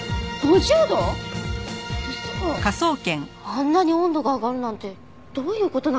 あんなに温度が上がるなんてどういう事なんです？